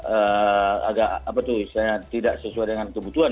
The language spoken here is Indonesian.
biasanya kita memang produksi badi itu kan agak tidak sesuai dengan kebutuhan